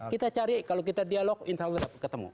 kita cari kalau kita dialog insya allah kita ketemu